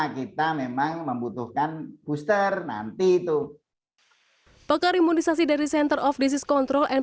kita memang membutuhkan booster nanti itu toko imunisasi dari center of disease control and